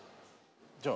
じゃあ。